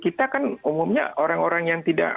kita kan umumnya orang orang yang tidak